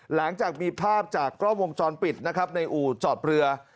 หลังจากมีภาพจากกล้องวงจรปิดนะครับในอู่จอดเรือ